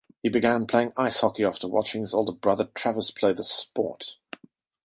He began playing ice hockey after watching his older brother Travis play the sport.